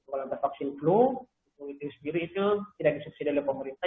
kalau ada vaksin flu flu itu sendiri itu tidak disubsidi oleh pemerintah